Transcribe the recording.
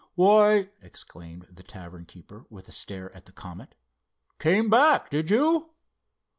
"Why," exclaimed the tavern keeper, with a stare at the Comet, "came back, did you?"